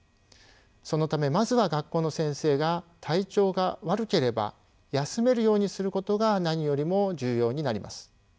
そのためまずは学校の先生が体調が悪ければ休めるようにすることが何よりも重要になります。